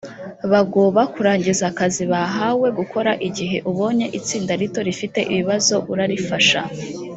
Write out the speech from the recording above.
bagoba kurangiza akazi bahawe gukora igihe ubonye itsinda rito rifite ibibazo urarifasha